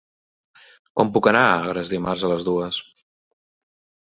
Com puc anar a Agres dimarts a les dues?